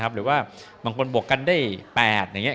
หรือว่าบางคนบวกกันได้๘